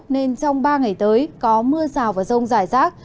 nên trong ba ngày tới có mưa rào và rông rải rác